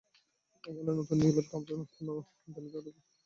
এখন নতুন নিয়মের কারণে পণ্য আমদানিতে আরও বাড়তি সময় ব্যয় হচ্ছে।